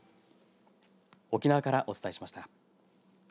沖縄からお伝えしました。